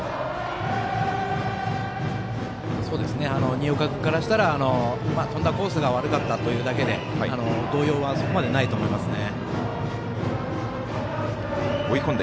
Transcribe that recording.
新岡君からしたら飛んだコースが悪かったということで動揺はそこまでないと思いますね。